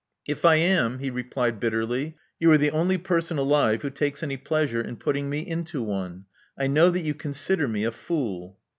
"If I am," he replied bitterly, "you are the only person alive who takes any pleasure in putting me into one. I know that you consider me a fool."